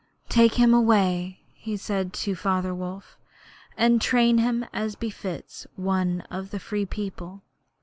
'Take him away,' he said to Father Wolf, 'and train him as befits one of the Free People.'